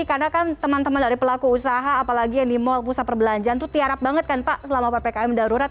karena kan teman teman dari pelaku usaha apalagi yang di mall pusat perbelanjaan itu tiarap banget kan pak selama ppkm darurat